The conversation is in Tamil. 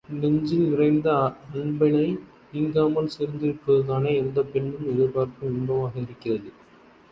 நெஞ்சில் நிறைந்த அன்பனை நீங்காமல் சேர்ந்திருப்பதுதானே எந்தப் பெண்ணும், எதிர்பார்க்கும் இன்பமாக இருக்கிறது!